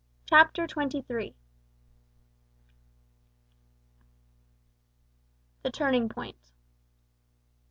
CHAPTER TWENTY THREE. THE TURNING POINT.